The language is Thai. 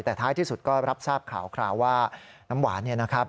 แต่ท้ายที่สุดก็รับทราบข่าวว่าน้ำหวานเนี่ยนะครับ